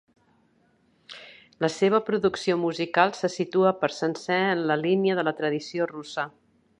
La seva producció musical se situa per sencer en la línia de la tradició russa.